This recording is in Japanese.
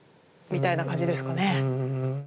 みたいな感じですかね。